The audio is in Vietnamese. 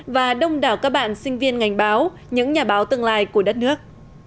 và đông đảo các bạn sinh viên ngành báo những nhà báo tương lai của đất nước